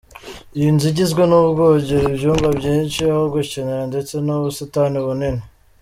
Iyi nzu igizwe n’Ubwogero, ibyumba byinshi, aho gukinira ndetse n’ubusitani bunini.